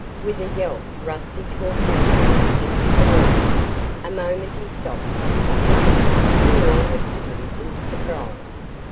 With a yelp Rusty tore frantically into the room. A moment he stopped and barked. We all looked at him in surprise.